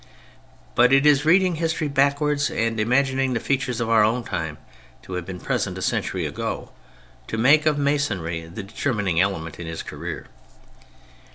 But it is reading history backwards, and imagining the features of our own time to have been present a century ago, to make of Masonry the determining element in his career.